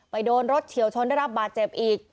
โดนรถเฉียวชนได้รับบาดเจ็บอีก